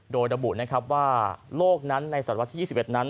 โดยระบุนะครับว่าโลกนั้นในศัตวรรษที่๒๑นั้น